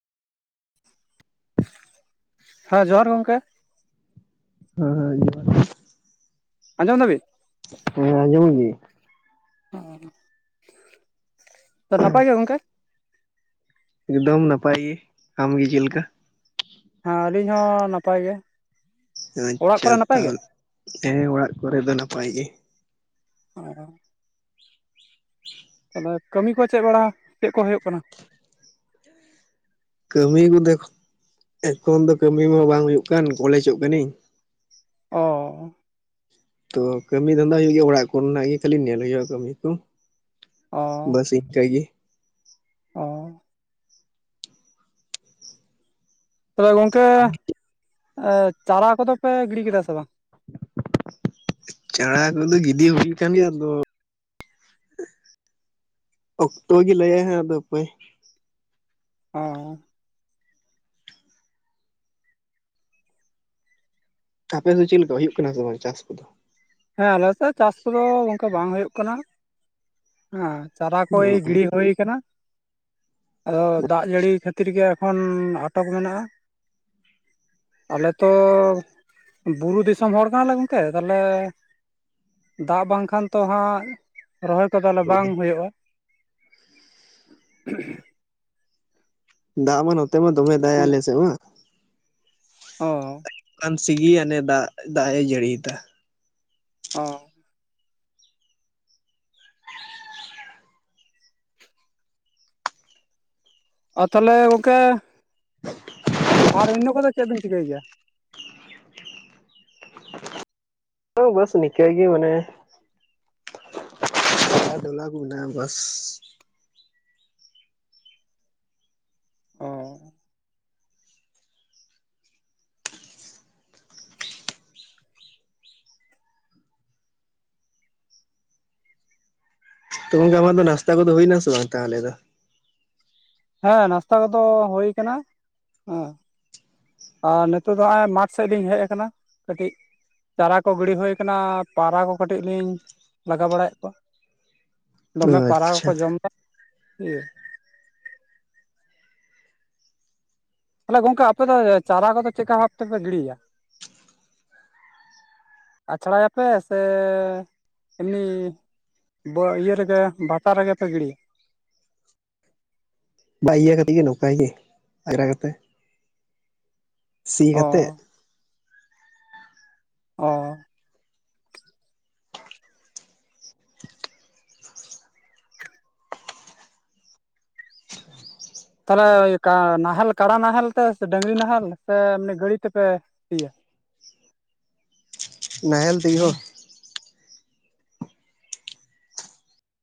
ᱦᱮᱸ ᱡᱚᱦᱟᱨ ᱜᱚᱝᱠᱮ ᱦᱮᱸ ᱦᱮᱸ ᱡᱚᱦᱟᱨ ᱜᱮ ᱟᱸᱡᱚᱢ ᱫᱟᱵᱤᱱ ᱦᱮᱸ ᱟᱸᱡᱚᱢ ᱫᱤᱧ ᱚ ᱱᱟᱯᱟᱭ ᱜᱮ ᱜᱚᱝᱠᱮ ᱮᱠᱫᱚᱢ ᱱᱟᱯᱟᱭ ᱜᱮ ᱟᱢᱜᱮ ᱪᱮᱫ ᱞᱮᱠᱟ ᱦᱮᱸ ᱟᱹᱞᱤᱧ ᱦᱚᱸ ᱱᱟᱯᱟᱭ ᱜᱮ ᱚᱲᱟᱜ ᱟᱪᱪᱷᱟ ᱠᱚᱨᱮ ᱱᱟᱯᱟᱭ ᱜᱮ? ᱛᱟᱦᱚᱞᱮ ᱦᱮᱸ ᱚᱲᱟᱜ ᱠᱚᱨᱮ ᱫᱚ ᱱᱟᱯᱟᱭ ᱜᱮ ᱚ [inaudible] ᱱᱚᱣᱟ ᱠᱟᱹᱢᱤ ᱠᱚ ᱪᱮᱫ ᱵᱟᱲᱟ ᱪᱮᱫ ᱠᱚ ᱦᱳᱭᱳᱜ ᱠᱟᱱᱟ ᱠᱟᱹᱢᱤ ᱠᱚᱫᱚ ᱮᱠᱷᱚᱱ ᱫᱚ ᱠᱟᱹᱢᱤ ᱢᱟ ᱵᱟᱝ ᱦᱩᱭᱩᱜ ᱠᱟᱱ ᱠᱚᱞᱮᱡᱚᱜ ᱠᱟ. ᱱᱟ‌ᱧ ᱚ ᱛᱚ ᱠᱟᱹᱢᱤ ᱫᱷᱟᱱᱫᱟ ᱦᱩᱭᱩᱜ ᱜᱮᱭᱟ ᱚᱲᱟᱜ ᱠᱚᱨᱮᱱᱟᱜ ᱜᱮ ᱠᱷᱟᱞᱤ ᱧᱮᱞ ᱦᱩᱭᱩ ᱟ ᱠᱟᱹᱢᱤ ᱠᱚ ᱚ ᱵᱟᱥ ᱤᱱᱠᱟ. ᱭ ᱜᱮ ᱚ ᱛᱚᱵᱮ ᱜᱚᱝᱠᱮ ᱮ ᱪᱟᱨᱟ ᱠᱚᱫᱚ ᱯᱮ ᱜᱤᱲᱤ ᱠᱮᱫᱟ ᱥᱮ ᱵᱟᱝ ᱪᱟᱬᱟ ᱠᱚᱫᱚ ᱜᱤᱰᱤ ᱦᱩᱭ ᱠᱟᱱ ᱜᱮᱭᱟ ᱟᱫᱚ ᱚᱠᱛᱚ ᱜᱮ ᱞᱟᱹᱭᱟᱭ ᱦᱟᱜ ᱟᱫᱚ ᱦᱟᱯᱮ ᱚ ᱟᱯᱮ ᱫᱚ ᱪᱮᱫ ᱞᱮᱠᱟ ᱦᱩᱭᱩᱜ ᱠᱟᱱᱟ ᱥᱮ ᱵᱟᱝ ᱪᱟᱥ ᱠᱚᱫᱚ ᱦᱮᱸ ᱟᱞᱮᱥᱮᱫ ᱪᱟᱥ ᱠᱚᱫᱚ ᱚᱝᱠᱟ ᱵᱟᱝ ᱦᱳᱭᱳᱜ ᱠᱟᱱᱟ ᱦᱮᱸ ᱪᱟᱨᱟ ᱠᱚᱭ ᱜᱤᱲᱤ ᱦᱳᱭ ᱠᱟᱱᱟ ᱟᱫᱚ ᱫᱟᱜ ᱡᱟᱹᱲᱤ ᱠᱷᱟᱹᱛᱤᱨ ᱜᱮ ᱠᱷᱚᱱ ᱟᱴᱚᱠ ᱢᱮᱱᱟᱜᱼᱟ ᱟᱞᱮᱛᱚ ᱵᱩᱨᱩ ᱫᱤᱥᱚᱢ ᱦᱚᱲ ᱠᱟᱱᱟᱞᱮ ᱜᱚᱝᱠᱮ ᱛᱟᱦᱚᱞᱮ ᱫᱟᱜ ᱵᱟᱝ ᱠᱷᱟᱱ ᱛᱚ ᱦᱟᱸᱜ ᱨᱚᱦᱚᱭ ᱠᱚ ᱛᱟᱞᱮ ᱵᱟᱝ ᱦᱳᱭᱳᱜᱼᱟ [inaudible] ᱫᱟᱜ ᱢᱟ ᱱᱚᱛᱮ ᱢᱟ ᱫᱚᱢᱮ ᱫᱟᱜ ᱟᱞᱮ ᱥᱮᱫ ᱢᱟ ᱚ ᱟᱱ ᱥᱤᱜᱤ ᱟᱱᱮ ᱫᱟᱜ ᱫᱟᱜ ᱮ ᱡᱟᱹᱲᱤ ᱫᱟ ᱚ ᱟ ᱛᱟᱞᱮ ᱜᱚᱝᱠᱮ ᱟᱨ ᱚᱱᱱᱳ ᱠᱚᱫᱚ ᱪᱮᱜ ᱵᱤᱱ ᱪᱤᱠᱟᱹᱭ ᱜᱮᱭᱟ? [unintelligible] ᱵᱟᱹᱥ ᱱᱤᱠᱟ ᱜᱮ ᱢᱟᱱᱮ, [unintelligible] ᱵᱟᱹᱥ [unintelligible] ᱛᱚ ᱜᱚᱝᱠᱮ ᱟᱢᱟᱜ ᱫᱚ ᱱᱟᱥᱛᱟ ᱠᱚᱫᱚ ᱦᱩᱭᱮᱱᱟ ᱥᱮ ᱵᱟᱝ ᱛᱟᱦᱞᱮ ᱫᱚ? ᱦᱮᱸ ᱱᱟᱥᱛᱟ ᱠᱚᱫᱚ ᱦᱚᱭ ᱟᱠᱟᱱᱟ ᱦᱮᱸ, ᱟᱨ ᱱᱤᱛᱚᱜ ᱫᱚ ᱱᱚᱜᱚᱭ ᱢᱟᱴ ᱥᱮᱫ ᱞᱤᱧ ᱦᱮᱡ ᱟᱠᱟᱱᱟ ᱠᱟᱹᱴᱤᱡ ᱾ ᱪᱟᱨᱟ ᱠᱚ ᱜᱤᱲᱤ ᱦᱩᱭᱟ ᱠᱟᱱᱟ ᱯᱟᱨᱟ ᱠᱚ ᱠᱟᱹᱴᱤᱡ ᱞᱤᱧ ᱞᱟᱜᱟᱣ ᱵᱟᱲᱟᱭᱮᱜ ᱠᱚᱣᱟ ᱾ ᱫᱚᱢᱮ ᱯᱟᱨᱟ ᱟᱪᱪᱷᱟ ᱠᱚᱠᱚ ᱡᱚᱢᱮᱫ [unintelligible] ᱤᱭᱟᱹ ᱛᱟᱞᱞᱮ ᱜᱚᱝᱠᱮ ᱟᱯᱮ ᱫᱚ ᱪᱟᱨᱟ ᱠᱚᱫᱚ ᱪᱮᱜᱠᱟ ᱵᱷᱟᱵ ᱛᱮᱯᱮ ᱜᱤᱲᱤᱭᱟ? ᱟᱪᱷᱲᱟᱭᱟᱯᱮ ᱥᱮ ᱮᱢᱱᱤ? [unintelligible] ᱤᱭᱟᱹ ᱨᱮᱜᱮ ᱵᱷᱟᱛᱟ ᱨᱮᱜᱮ ᱯᱮ ᱜᱤᱲᱤᱭᱟ᱾ ᱵᱟ [unintelligible] ᱤᱭᱟᱹ ᱠᱟᱛᱮ ᱜᱮ ᱱᱚᱝᱠᱟᱭ ᱜᱮ ᱟᱜᱽᱨᱟ ᱠᱟᱛᱮ ᱥᱤ ᱚ ᱠᱟᱛᱮ᱾ ᱚᱻ ᱛᱟᱦᱞᱮ [unintelligible] ᱱᱟᱦᱮᱞ ᱠᱟᱰᱟ ᱱᱟᱦᱮᱞ ᱛᱮ ᱰᱟᱝᱨᱤ ᱱᱟᱦᱮᱞ ᱥᱮ ᱮᱢᱱᱤ ᱜᱟᱹᱲᱤ ᱛᱮᱯᱮ ᱥᱤᱭᱟ? ᱱᱟᱦᱮᱞ ᱛᱮᱜᱮ ᱦᱚ